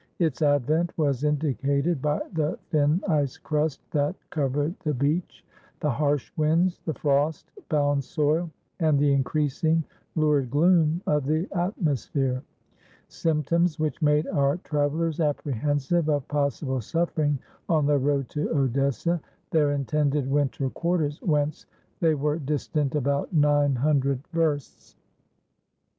Its advent was indicated by the thin ice crust that covered the beach, the harsh winds, the frost bound soil, and the increasing lurid gloom of the atmosphere; symptoms which made our travellers apprehensive of possible suffering on their road to Odessa, their intended winter quarters, whence they were distant about 900 versts.